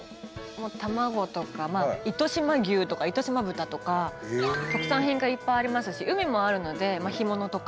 卵とか糸島牛とか糸島豚とか特産品がいっぱいありますし海もあるので干物とか。